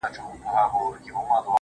ددې ښـــــار څــــو ليونـيـو.